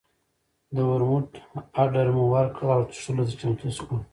د ورموت اډر مو ورکړ او څښلو ته چمتو شول.